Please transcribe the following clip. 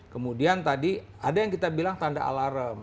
kemudian tadi ada yang kita bilang tanda alarm